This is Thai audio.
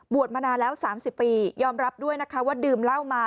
มานานแล้ว๓๐ปียอมรับด้วยนะคะว่าดื่มเหล้ามา